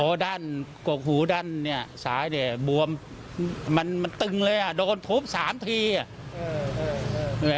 โอ้ดั้นโกกหูดั้นเนี่ยสายเนี่ยบวมมันตึงเลยอะโดนทุบสามทีอะ